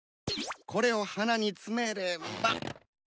これを鼻につめれば。